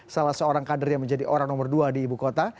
salah seorang kader yang menjadi orang nomor dua di ibu kota